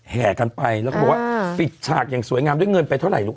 แห่กันไปแล้วก็บอกว่าปิดฉากอย่างสวยงามด้วยเงินไปเท่าไหรลูก